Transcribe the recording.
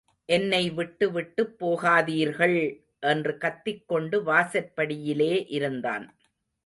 என்னை விட்டுவிட்டுப் போகாதீர்கள்! என்று கத்திக் கொண்டு வாசற்படியிலே இருந்தான்.